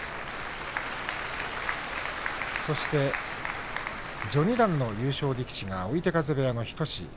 そして、序二段の優勝力士が追手風部屋の日翔志です。